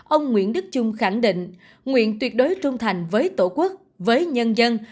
ông nguyễn đức trung khẳng định nguyện tuyệt đối trung thành với tổ quốc với nhân dân